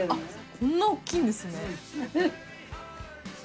こんなおっきいんですね。